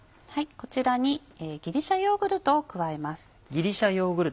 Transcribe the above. こちらにギリシャヨーグルトを加えます。